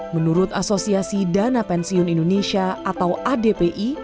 menurut asosiasi dana pensiun indonesia atau adpi